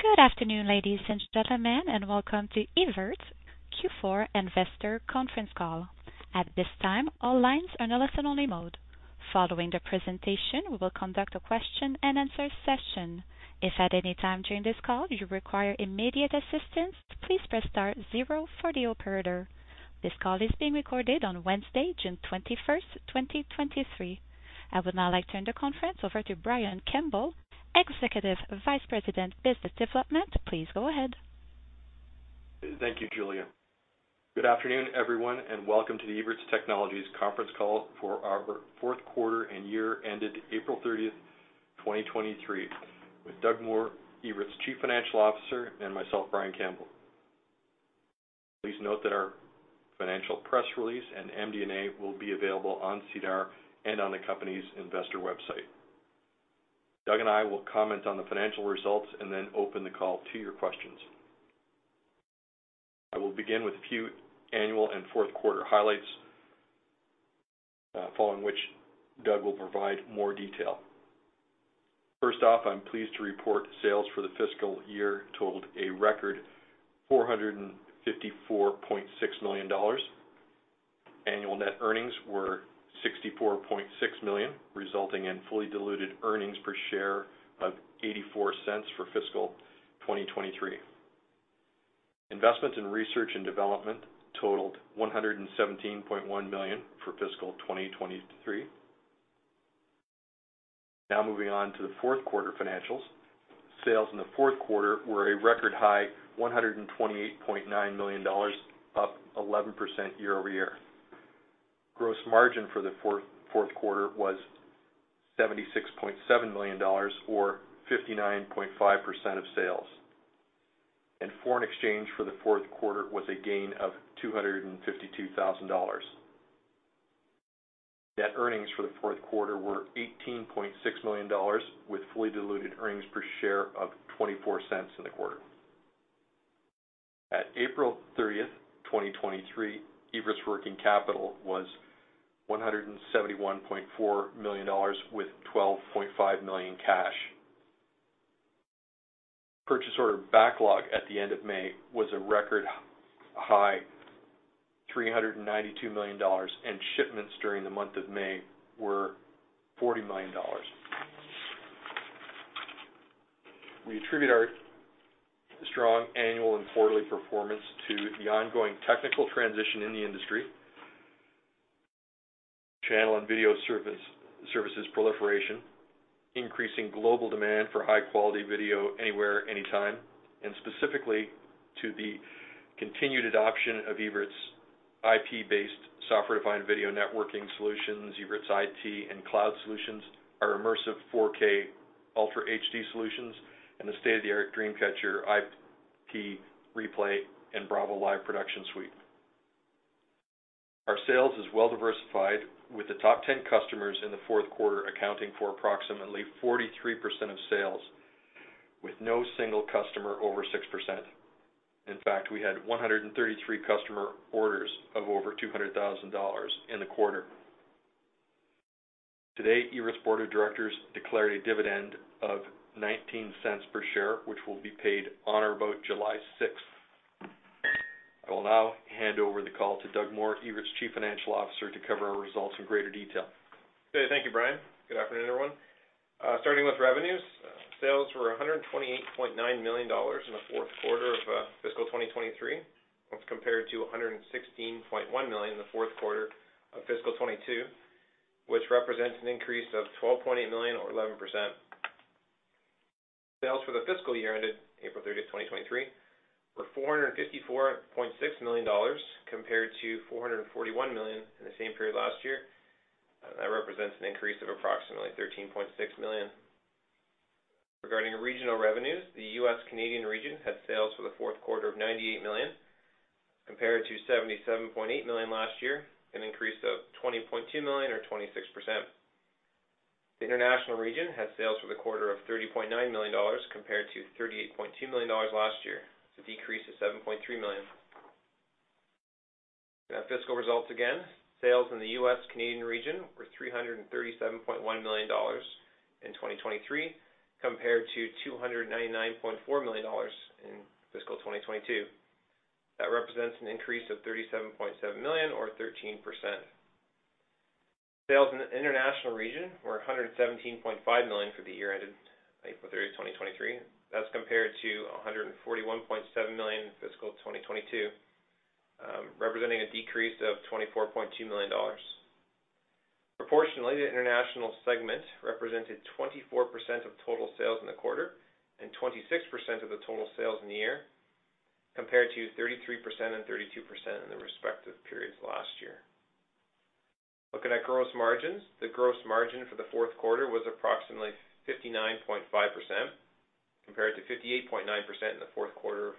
Good afternoon, ladies and gentlemen, and welcome to Evertz Q4 Investor Conference Call. At this time, all lines are in a listen-only mode. Following the presentation, we will conduct a question-and-answer session. If at any time during this call you require immediate assistance, please press star zero for the operator. This call is being recorded on Wednesday, June twenty-first, twenty twenty-three. I would now like to turn the conference over to Brian Campbell, Executive Vice President, Business Development. Please go ahead. Thank you, Julia. Welcome to the Evertz Technologies conference call for our 4th quarter and year ended April 30th, 2023, with Doug Moore, Evertz Chief Financial Officer, and myself, Brian Campbell. Please note that our financial press release and MD&A will be available on SEDAR and on the company's investor website. Doug and I will comment on the financial results and then open the call to your questions. I will begin with a few annual and 4th quarter highlights, following which Doug will provide more detail. First off, I'm pleased to report sales for the fiscal year totaled a record 454.6 million dollars. Annual net earnings were 64.6 million, resulting in fully diluted earnings per share of 0.84 for fiscal 2023. Investments in research and development totaled 117.1 million for fiscal 2023. Moving on to the fourth quarter financials. Sales in the fourth quarter were a record high, 128.9 million dollars, up 11% year-over-year. Gross margin for the fourth quarter was 76.7 million dollars, or 59.5% of sales. Foreign exchange for the fourth quarter was a gain of 252,000 dollars. Net earnings for the fourth quarter were 18.6 million dollars, with fully diluted earnings per share of 0.24 in the quarter. At April 30, 2023, Evertz's working capital was 171.4 million dollars, with 12.5 million cash. Purchase order backlog at the end of May was a record high, 392 million dollars. Shipments during the month of May were 40 million dollars. We attribute our strong annual and quarterly performance to the ongoing technical transition in the industry, channel and video services proliferation, increasing global demand for high-quality video anywhere, anytime, and specifically to the continued adoption of Evertz IP-based software-defined video networking solutions, Evertz IT and cloud solutions, our immersive 4K Ultra HD solutions, and the state-of-the-art DreamCatcher IP replay and BRAVO live production suite. Our sales is well diversified, with the top 10 customers in the fourth quarter accounting for approximately 43% of sales, with no single customer over 6%. In fact, we had 133 customer orders of over 200,000 dollars in the quarter. Today, Evertz Board of Directors declared a dividend of 0.19 per share, which will be paid on or about July sixth. I will now hand over the call to Doug Moore, Evertz Chief Financial Officer, to cover our results in greater detail. Okay, thank you, Brian. Good afternoon, everyone. Starting with revenues. Sales were $128.9 million in the fourth quarter of fiscal 2023. Let's compare to $116.1 million in the fourth quarter of fiscal 2022, which represents an increase of $12.8 million or 11%. Sales for the fiscal year ended April 30th, 2023, were $454.6 million compared to $441 million in the same period last year. That represents an increase of approximately $13.6 million. Regarding regional revenues, the U.S. Canadian region had sales for the fourth quarter of $98 million, compared to $77.8 million last year, an increase of $20.2 million or 26%. The international region had sales for the quarter of 30.9 million dollars, compared to 38.2 million dollars last year, it's a decrease of 7.3 million. Fiscal results again. Sales in the US Canadian region were 337.1 million dollars in 2023, compared to 299.4 million dollars in fiscal 2022. That represents an increase of 37.7 million or 13%. Sales in the international region were 117.5 million for the year ended April 30, 2023. That's compared to 141.7 million in fiscal 2022, representing a decrease of 24.2 million dollars. Proportionally, the international segment represented 24% of total sales in the quarter and 26% of the total sales in the year, compared to 33% and 32% in the respective periods last year. Looking at gross margins. The gross margin for the fourth quarter was approximately 59.5%, compared to 58.9% in the fourth quarter of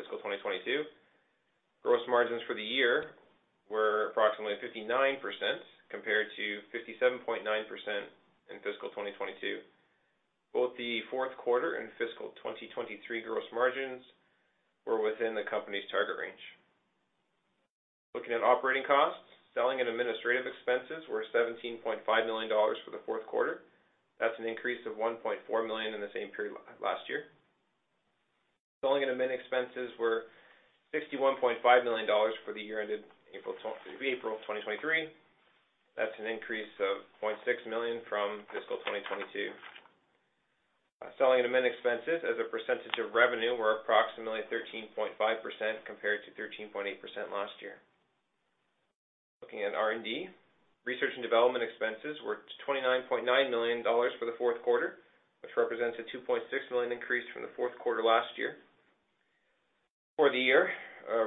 fiscal 2022. Gross margins for the year were approximately 59%, compared to 57.9% in fiscal 2022. Both the fourth quarter and fiscal 2023 gross margins were within the company's target range. Looking at operating costs, selling and administrative expenses were 17.5 million dollars for the fourth quarter. That's an increase of 1.4 million in the same period last year. Selling and admin expenses were 61.5 million dollars for the year ended April 2023. That's an increase of 0.6 million from fiscal 2022. Selling and admin expenses as a percentage of revenue were approximately 13.5%, compared to 13.8% last year. Looking at R&D, research and development expenses were 29.9 million dollars for the fourth quarter, which represents a 2.6 million increase from the fourth quarter last year. For the year,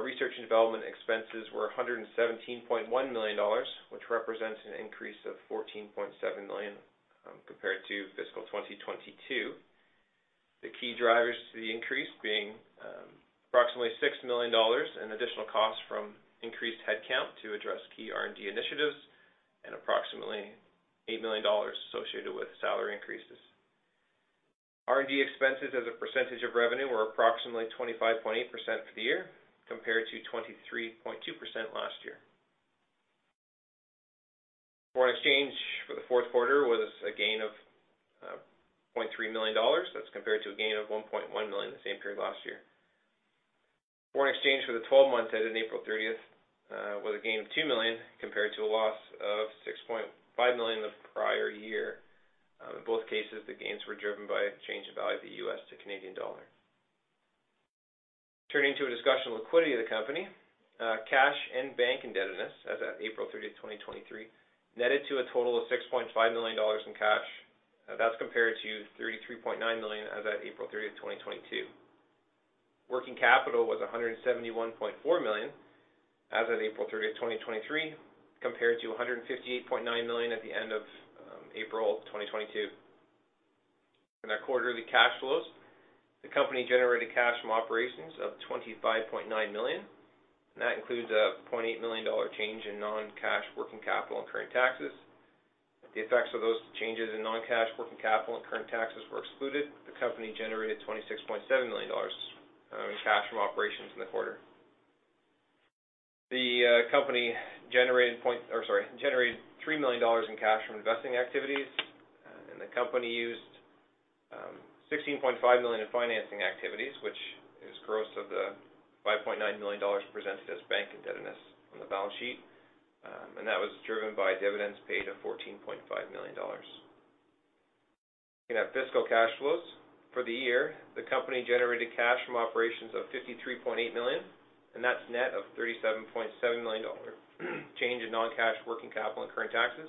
research and development expenses were 117.1 million dollars, which represents an increase of 14.7 million, compared to fiscal 2022. The key drivers to the increase being approximately 6 million dollars in additional costs from increased headcount to address key R&D initiatives, and approximately 8 million dollars associated with salary increases. R&D expenses as a percentage of revenue were approximately 25.8% for the year, compared to 23.2% last year. Foreign exchange for the fourth quarter was a gain of 0.3 million dollars. That's compared to a gain of 1.1 million in the same period last year. Foreign exchange for the 12 months ended April 30th was a gain of 2 million, compared to a loss of 6.5 million the prior year. In both cases, the gains were driven by a change in value of the U.S. to Canadian dollar. Turning to a discussion of liquidity of the company, cash and bank indebtedness as at April 30th, 2023, netted to a total of 6.5 million dollars in cash. That's compared to 33.9 million as at April 30th, 2022. Working capital was 171.4 million as of April 30, 2023, compared to 158.9 million at the end of April 2022. In our quarterly cash flows, the company generated cash from operations of 25.9 million. That includes a 0.8 million dollar change in non-cash working capital and current taxes. If the effects of those changes in non-cash working capital and current taxes were excluded, the company generated 26.7 million dollars in cash from operations in the quarter. The company generated 3 million dollars in cash from investing activities. The company used 16.5 million in financing activities, which is gross of the 5.9 million dollars presented as bank indebtedness on the balance sheet. That was driven by dividends paid of $14.5 million. Looking at fiscal cash flows, for the year, the company generated cash from operations of $53.8 million, and that's net of $37.7 million, change in non-cash working capital and current taxes.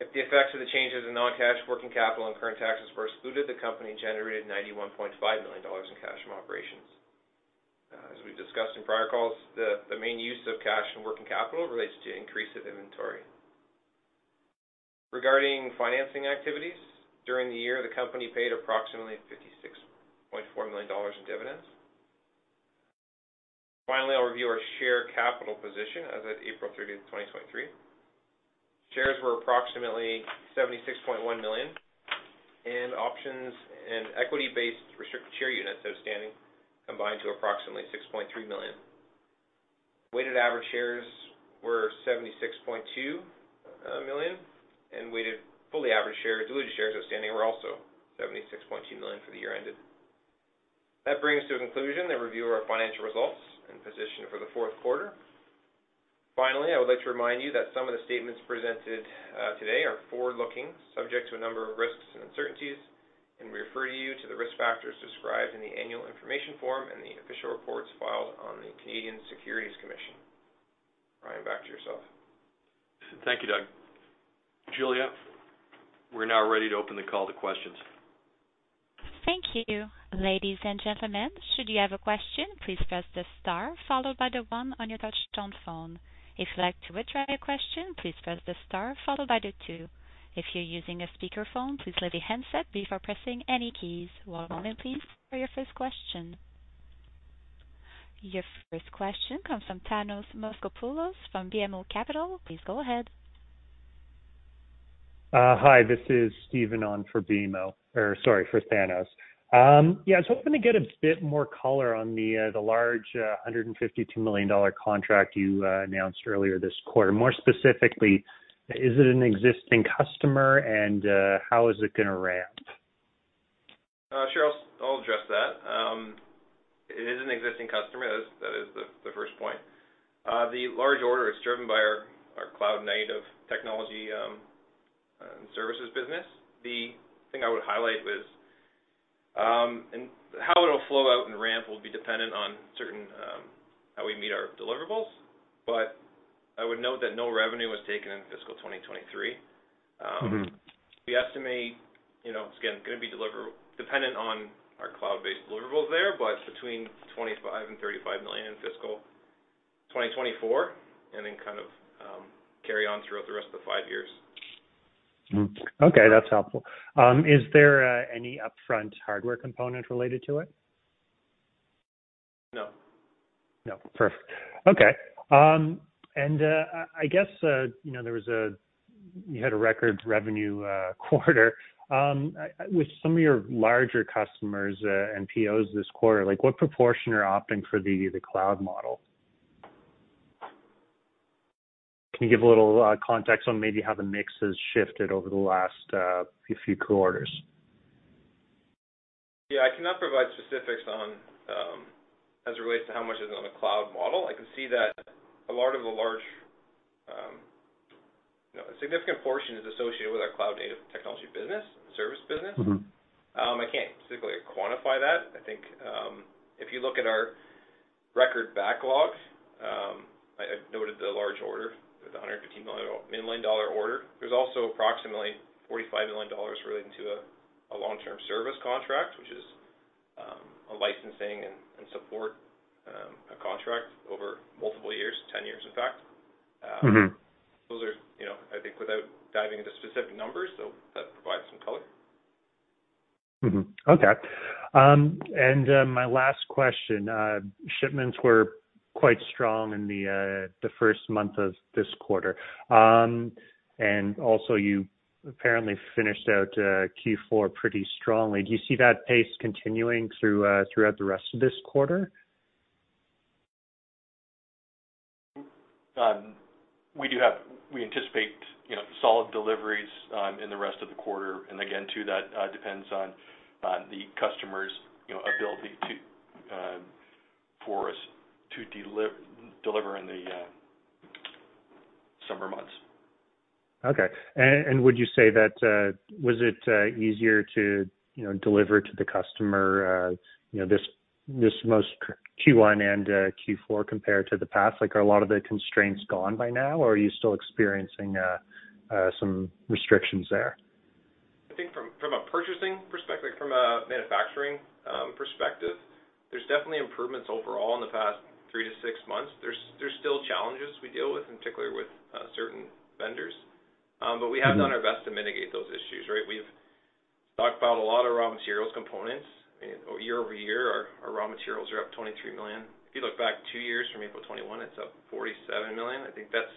If the effects of the changes in non-cash working capital and current taxes were excluded, the company generated $91.5 million in cash from operations. As we've discussed in prior calls, the main use of cash and working capital relates to increase of inventory. Regarding financing activities, during the year, the company paid approximately $56.4 million in dividends. Finally, I'll review our share capital position as at April 30, 2023. Shares were approximately 76.1 million, and options and equity-based restricted share units outstanding combined to approximately 6.3 million. Weighted average shares were 76.2 million, and weighted fully average shares, diluted shares outstanding were also 76.2 million for the year ended. That brings us to a conclusion, the review of our financial results and position for the fourth quarter. Finally, I would like to remind you that some of the statements presented today are forward-looking, subject to a number of risks and uncertainties, and we refer you to the risk factors described in the annual information form and the official reports filed on the Canadian Securities Administrators. Brian, back to yourself. Thank you, Doug. Julia, we're now ready to open the call to questions. Thank you. Ladies and gentlemen, should you have a question, please press the star followed by the one on your touchtone phone. If you'd like to withdraw your question, please press the star followed by the two. If you're using a speakerphone, please lift the handset before pressing any keys. One moment, please, for your first question. Your first question comes from Thanos Moschopoulos from BMO Capital Markets. Please go ahead. Hi, this is Steven on for BMO, sorry, for Thanos. Yeah, I was hoping to get a bit more color on the large 152 million dollar contract you announced earlier this quarter. More specifically, is it an existing customer, and how is it gonna ramp? Sure. I'll address that. It is an existing customer. That is the first point. The large order is driven by our cloud-native technology and services business. The thing I would highlight was. How it'll flow out and ramp will be dependent on certain how we meet our deliverables. I would note that no revenue was taken in fiscal 2023. Mm-hmm. We estimate, you know, again, gonna be dependent on our cloud-based deliverables there, but between 25 million and 35 million in fiscal 2024, and then kind of, carry on throughout the rest of the five years. Okay, that's helpful. Is there any upfront hardware component related to it? No. No. Perfect. Okay, I guess, you know, you had a record revenue quarter. With some of your larger customers and POs this quarter, like, what proportion are opting for the cloud model? Can you give a little context on maybe how the mix has shifted over the last few quarters? I cannot provide specifics on, as it relates to how much is on the cloud model. I can see that, you know, a significant portion is associated with our cloud-native technology business, service business. Mm-hmm. I can't specifically quantify that. I think, if you look at our record backlogs, I noted the large order, the CAD 115 million order. There's also approximately 45 million dollars relating to a long-term service contract, which is a licensing and support contract over multiple years, 10 years, in fact. Mm-hmm. Those are, you know, I think without diving into specific numbers, that provides some color. Okay. My last question, shipments were quite strong in the first month of this quarter. Also, you apparently finished out Q4 pretty strongly. Do you see that pace continuing throughout the rest of this quarter? We anticipate, you know, solid deliveries in the rest of the quarter, and again, too, that depends on the customer's, you know, ability to, for us to deliver in the summer months. Okay. Would you say that was it easier to, you know, deliver to the customer, you know, this most Q1 and Q4, compared to the past? Like, are a lot of the constraints gone by now, or are you still experiencing some restrictions there? I think from a purchasing perspective, from a manufacturing perspective, there's definitely improvements overall in the past three to six months. There's still challenges we deal with, in particular with certain vendors. We have done our best to mitigate those issues, right? We've stocked about a lot of raw materials, components. Year-over-year, our raw materials are up 23 million. If you look back two years from April 2021, it's up 47 million. I think that's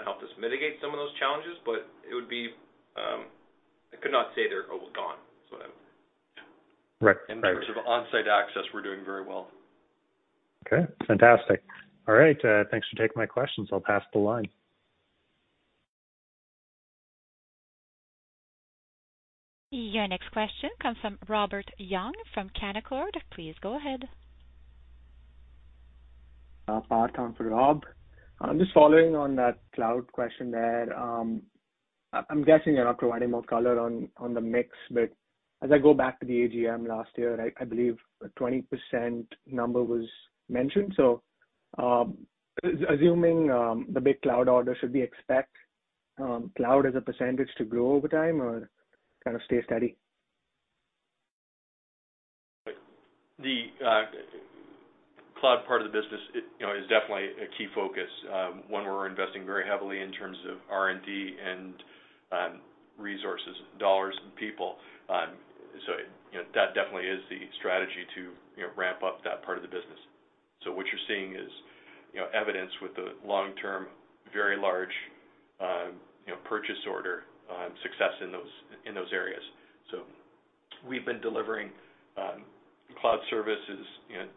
helped us mitigate some of those challenges, but it would be, I could not say they're all gone. Right. In terms of on-site access, we're doing very well. Okay, fantastic. All right, thanks for taking my questions. I'll pass the line. Your next question comes from Robert Young from Canaccord. Please go ahead. Rob, I'm just following on that cloud question there. I'm guessing you're not providing more color on the mix, but as I go back to the AGM last year, I believe a 20% number was mentioned. Assuming the big cloud order, should we expect cloud as a percentage to grow over time or kind of stay steady? The cloud part of the business, it, you know, is definitely a key focus, one we're investing very heavily in terms of R&D and resources, dollars, and people. That definitely is the strategy to, you know, ramp up that part of the business. What you're seeing is, you know, evidence with the long term, very large, purchase order, success in those, in those areas. We've been delivering cloud services, you know,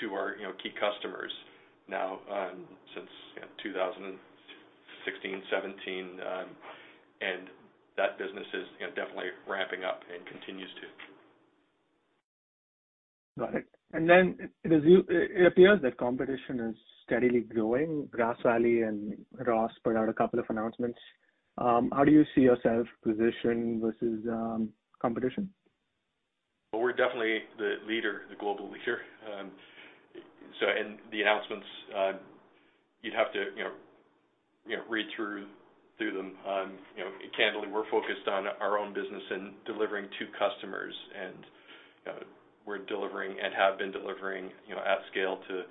to our, you know, key customers now, since, you know, 2016, 2017, and that business is, you know, definitely ramping up and continues to. Got it. Then it appears that competition is steadily growing. Grass Valley and Ross put out a couple of announcements. How do you see yourself positioned versus competition? Well, we're definitely the leader, the global leader. The announcements, you'd have to, you know, read through them. You know, candidly, we're focused on our own business and delivering to customers. We're delivering and have been delivering, you know, at scale to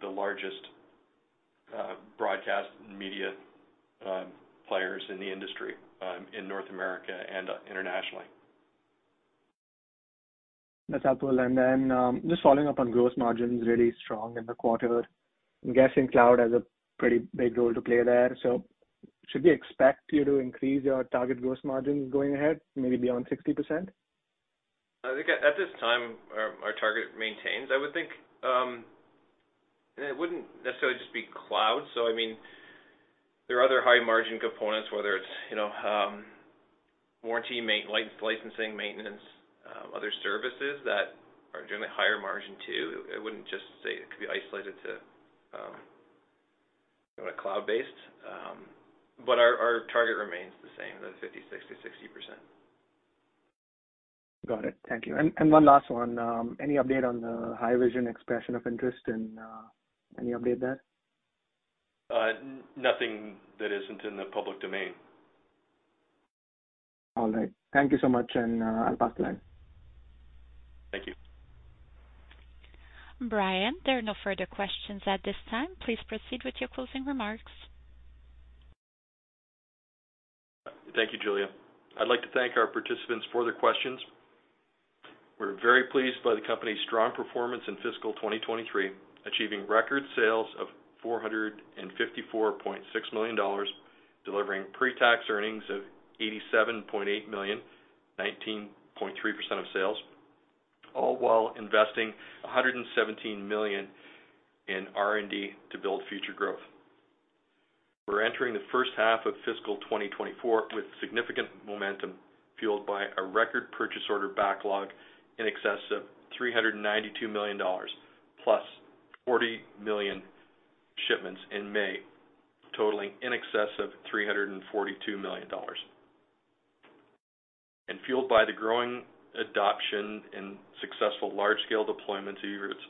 the largest broadcast media players in the industry in North America and internationally. That's helpful. Just following up on gross margins, really strong in the quarter. I'm guessing cloud has a pretty big role to play there, so should we expect you to increase your target gross margin going ahead, maybe beyond 60%? I think at this time, our target maintains. It wouldn't necessarily just be cloud. I mean, there are other high margin components, whether it's, you know, warranty, licensing, maintenance, other services that are generally higher margin, too. It wouldn't just say it could be isolated to cloud-based. Our target remains the same, the 56%-60%. Got it. Thank you. One last one. Any update on the Haivision expression of interest and any update there? Nothing that isn't in the public domain. All right. Thank you so much, and I'll pass the line. Thank you. Brian, there are no further questions at this time. Please proceed with your closing remarks. Thank you, Julia. I'd like to thank our participants for their questions. We're very pleased by the company's strong performance in fiscal 2023, achieving record sales of 454.6 million dollars, delivering pre-tax earnings of 87.8 million, 19.3% of sales, all while investing 117 million in R&D to build future growth. We're entering the first half of fiscal 2024 with significant momentum, fueled by a record purchase order backlog in excess of 392 million dollars, plus 40 million shipments in May, totaling in excess of 342 million dollars. Fueled by the growing adoption and successful large-scale deployments of Evertz's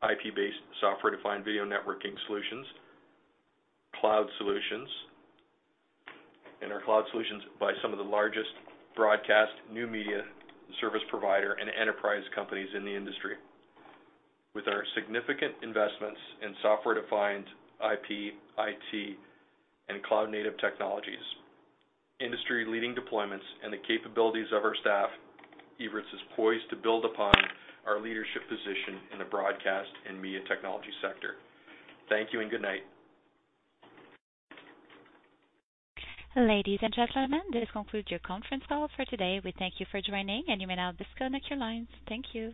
IP-based, Software Defined Video Networking solutions, cloud solutions, and our cloud solutions by some of the largest broadcast new media service provider and enterprise companies in the industry. With our significant investments in software-defined IP, IT, and cloud-native technologies, industry-leading deployments, and the capabilities of our staff, Evertz is poised to build upon our leadership position in the broadcast and media technology sector. Thank you and good night. Ladies and gentlemen, this concludes your conference call for today. We thank you for joining, you may now disconnect your lines. Thank you.